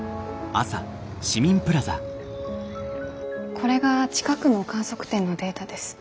これが近くの観測点のデータです。